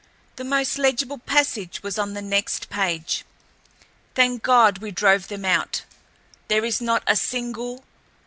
The most legible passage was on the next page: "Thank God we drove them out. There is not a single